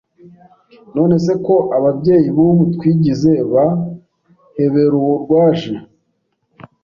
None se ko ababyeyi bubu twigize ba heberurwaje